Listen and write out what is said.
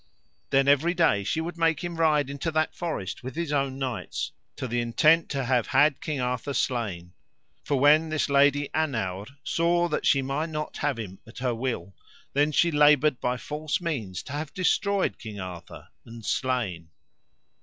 Then every day she would make him ride into that forest with his own knights, to the intent to have had King Arthur slain. For when this Lady Annowre saw that she might not have him at her will, then she laboured by false means to have destroyed King Arthur, and slain.